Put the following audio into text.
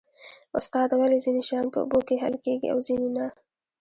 استاده ولې ځینې شیان په اوبو کې حل کیږي او ځینې نه